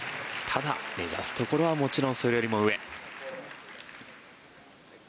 ただ、目指すところはもちろんそれよりも上。